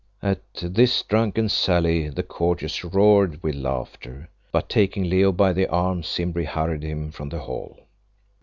At this drunken sally the courtiers roared with laughter, but taking Leo by the arm Simbri hurried him from the hall.